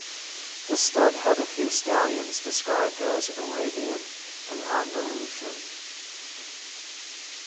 The stud had a few stallions described as "Arabian" and "Andalusian".